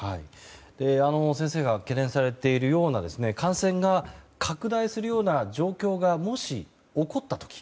先生が懸念されているような感染が拡大するような状況がもし、起こった時。